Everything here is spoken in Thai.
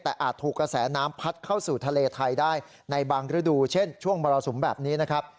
แต่อาจถูกกระแสน้ำพัดเข้าสู่ทะเลไทยได้ในบางฤดูเช่นช่วงมรสุมแบบนี้นะครับ